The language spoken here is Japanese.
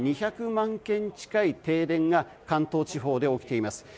２００万軒近い停電が関東地方で起きています。